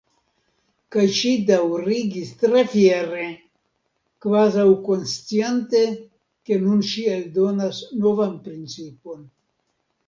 Kaj ŝi daŭrigis tre fiere, kvazaŭ konsciante ke nun ŝi eldonas novan principon.